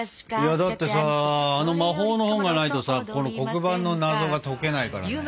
だってさあの魔法の本がないとさこの黒板の謎が解けないからね。